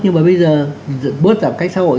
nhưng mà bây giờ bớt giảm cách xã hội